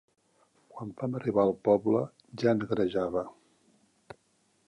Quan vam arribar al poble, ja negrejava.